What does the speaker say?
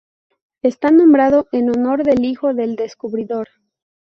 Está nombrado en honor del hijo del descubridor.